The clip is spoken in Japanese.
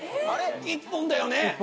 一本だよね？